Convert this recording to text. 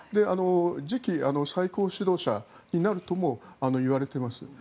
次期最高指導者になるとも言われています。